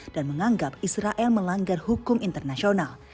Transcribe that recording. dan menganggap israel melanggar hukum internasional